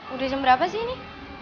udah jam berapa sih ini